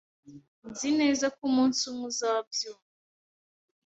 Nzi neza ko umunsi umwe uzabyumva